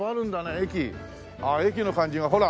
駅駅の感じがほら。